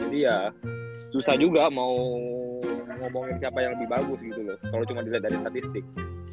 dia susah juga mau ngomongin siapa yang lebih bagus gitu loh kalau cuma dilihat dari statistik